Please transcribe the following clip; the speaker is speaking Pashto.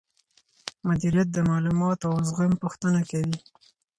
مديريت د معلوماتو او زغم غوښتنه کوي.